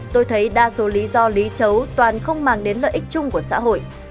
tôi thấy đa số lý do lý chấu toàn không mang đến lợi ích chung của xã hội